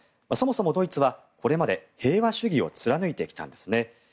そもそもドイツはこれまで平和主義を貫いてきたんですね。